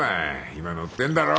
今乗ってんだろう！